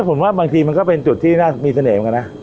คุณบอกก็เป็นจุดที่น่าสะเนม